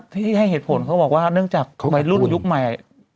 ที่ให้เหตุผลเขาบอกว่าเนื่องจากวัยรุ่นยุคใหม่